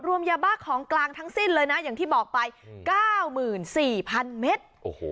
รวมยาบ้าของกลางทั้งสิ้นเลยนะอย่างที่บอกไปเก้ามื่นสี่พันเมตรโอ้โห